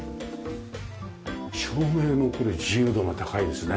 照明もこれ自由度が高いですね。